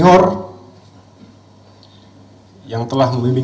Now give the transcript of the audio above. seluruh prajurit yang pernah saya pimpin